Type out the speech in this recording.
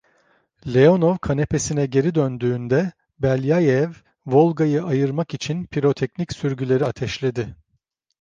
Leonov kanepesine geri döndüğünde Belyayev, Volga’yı ayırmak için piroteknik sürgüleri ateşledi.